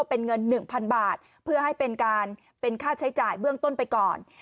เป็นเงิน๑๐๐๐บาทเพื่อให้เป็นการเป็นค่าใช้จ่ายเบื้องต้นไปก่อน